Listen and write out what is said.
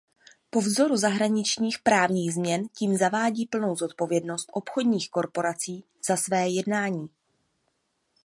Po vzoru zahraničních právních změn tím zavádí plnou zodpovědnost obchodních korporací za své jednání.